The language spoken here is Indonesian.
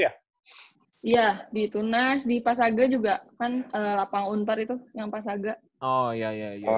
iya di tunas di pasaga juga kan lapang untar itu yang pasga